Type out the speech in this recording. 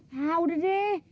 hah udah deh